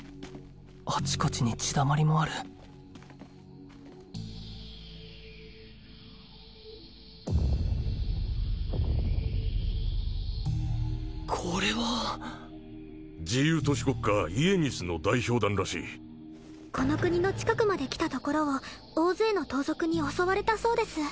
あちこちに血だまりもあるこれは自由都市国家イエニスの代表団らしいこの国の近くまで来たところを大勢の盗賊に襲われたそうです